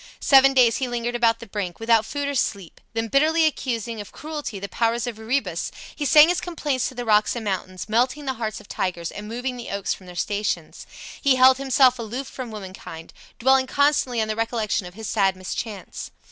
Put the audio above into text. Seven days he lingered about the brink, without food or sleep; then bitterly accusing of cruelty the powers of Erebus, he sang his complaints to the rocks and mountains, melting the hearts of tigers and moving the oaks from their stations. He held himself aloof from womankind, dwelling constantly on the recollection of his sad mischance.